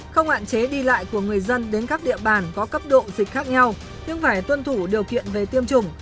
không hạn chế đi lại của người dân đến các địa bàn có cấp độ dịch khác nhau nhưng phải tuân thủ điều kiện về tiêm chủng